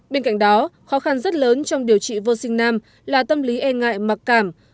bên cạnh đó khó khăn rất lớn trong điều trị vô sinh nam là tâm lý e ngại mặc cảm